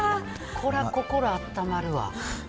これは心あったまるわ。